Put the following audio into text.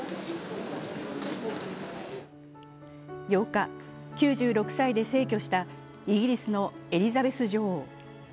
８日、９６歳で逝去したイギリスのエリザベス女王。